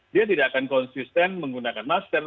dia tidak akan konsisten menggunakan masker